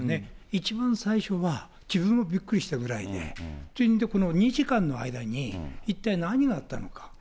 一番最初は自分もびっくりしたぐらいで、この２時間の間に一体何があったのか。